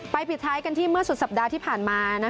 ปิดท้ายกันที่เมื่อสุดสัปดาห์ที่ผ่านมา